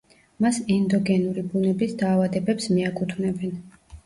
მას ენდოგენური ბუნების დაავადებებს მიაკუთვნებენ.